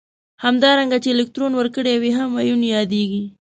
همدارنګه چې الکترون ورکړی وي هم ایون یادیږي.